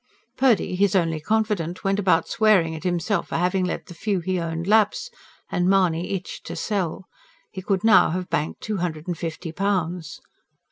Purdy, his only confidant, went about swearing at himself for having let the few he owned lapse; and Mahony itched to sell. He could now have banked two hundred and fifty pounds.